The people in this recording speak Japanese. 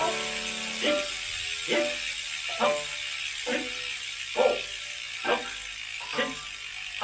１２３４５６７８。